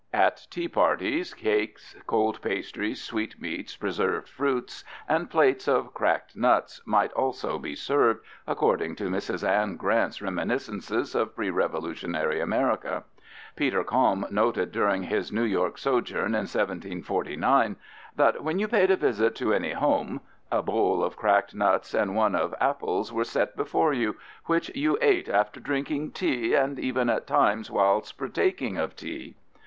" At tea parties, cakes, cold pastries, sweetmeats, preserved fruits, and plates of cracked nuts might also be served, according to Mrs. Anne Grant's reminiscences of pre Revolutionary America. Peter Kalm noted during his New York sojourn in 1749 that "when you paid a visit to any home" a bowl of cracked nuts and one of apples were "set before you, which you ate after drinking tea and even at times while partaking of tea."